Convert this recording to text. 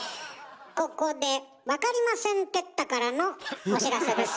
ここでわかりません哲太からのお知らせです。